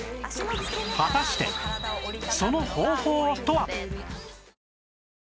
果たしてその方法とは？